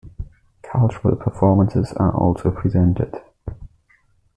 Cultural performances are also presented.